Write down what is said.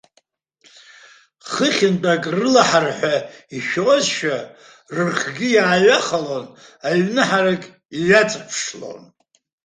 Хыхьынтә ак рылаҳар ҳәа ишәозшәа, рыхгьы иааҩахалон, аҩны ҳарак иҩаҵаԥшлон.